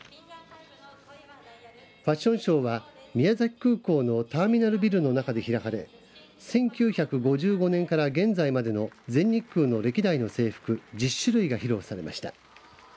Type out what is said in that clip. ファションショーは宮崎空港のターミナルビルの中で開かれ１９５５年から現在までの全日空の歴代の制服１０種類が披露されました。